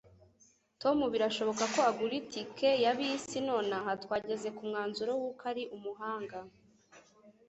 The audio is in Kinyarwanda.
Tom birashoboka ko agura itike ya bisi nonaha. Twageze ku mwanzuro w'uko ari umuhanga.